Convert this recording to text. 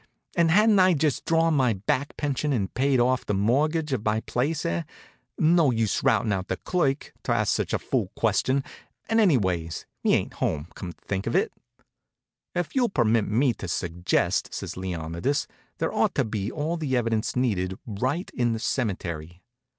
"And hadn't I just drawn my back pension and paid off the mortgage on my place, eh? No use routin' out the Clerk to ask such a fool question; and anyways, he ain't to home, come to think of it." "If you'll permit me to suggest," says Leonidas, "there ought to be all the evidence needed right in the cemetery."